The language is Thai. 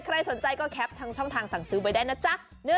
ใครสนใจก็แคปทั้งช่องทางสั่งซื้อไว้ได้นะจ๊ะ